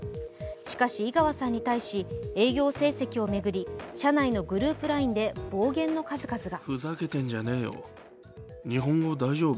しかし、井川さんに対し、営業成績を巡り社内のグループＬＩＮＥで暴言の数々が。